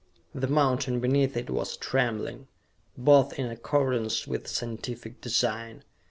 The mountain beneath it was trembling. Both in accordance with scientific design.